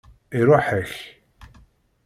Iṛuḥ-ak.